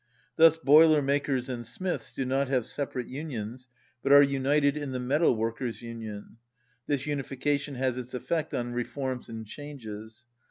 Thus boiler makers and smiths do not have separate unions, but are united in the metal workers' union. This unification has its effect on reforms and changes.